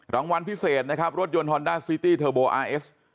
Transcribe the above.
รางวัลพิเศษนะครับรถยนต์ฮอนด้าซิตี้เทอร์โบอาร์เอส